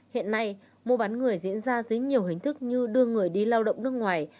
hiện nay mua bán người diễn ra dưới nhiều hình thức như đưa người đi lao động nước ngoài